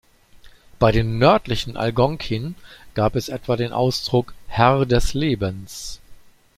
Bei den nördlichen Algonkin gab es etwa den Ausdruck „Herr des Lebens“.